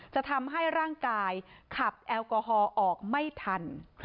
จะทำให้ร่างกายขับแอลกอฮอล์ออกไม่ทัน